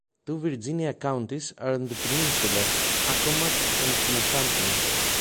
Two Virginia counties are on the peninsula: Accomack and Northampton.